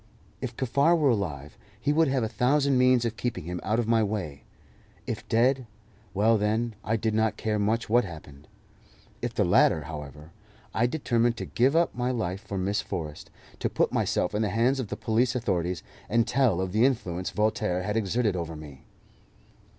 If Kaffar were alive, he would have a thousand means of keeping him out of my way; if dead well, then, I did not care much what happened. If the latter, however, I determined to give up my life for Miss Forrest, to put myself in the hands of the police authorities, and tell of the influence Voltaire had exerted over me.